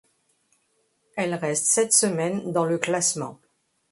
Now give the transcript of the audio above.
Elle reste sept semaines dans le classement.